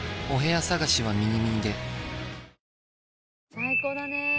最高だね。